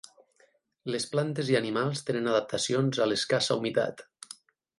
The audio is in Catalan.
Les plantes i animals tenen adaptacions a l'escassa humitat.